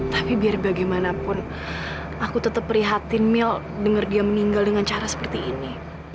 tapi biar bagaimanapun aku tetap prihatin mil dengar dia meninggal dengan cara seperti ini